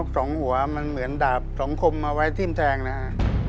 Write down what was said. สองหัวมันเหมือนดาบสองคมเอาไว้ทิ้มแทงนะฮะ